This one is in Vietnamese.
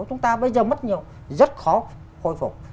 chúng ta bây giờ mất nhiều rất khó khôi phục